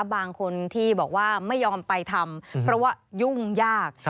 บางคนที่บอกว่าไม่ยอมไปทำเพราะว่ายุ่งยาก